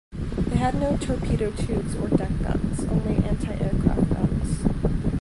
They had no torpedo tubes or deck guns, only anti-aircraft guns.